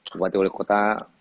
bapak teguh lekota